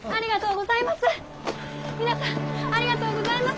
ありがとうございます！